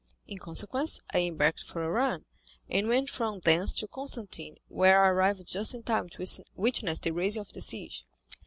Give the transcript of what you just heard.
In consequence I embarked for Oran, and went from thence to Constantine, where I arrived just in time to witness the raising of the siege.